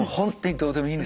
どうでもいい。